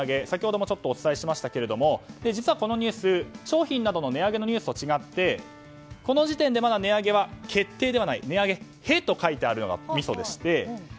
先ほどもちょっとお伝えしましたが実はこのニュース、商品などの値上げのニュースと違ってこの時点でまだ値上げ決定ではない値上げへと書いてあるのがミソでして。